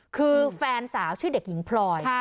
คือแฟนสาวชื่อเด็กหญิงพลอย